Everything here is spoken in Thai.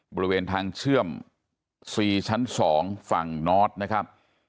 บริเวณทางเชื่อม๔ชั้น๒ฝั่งนอร์ดนะครับ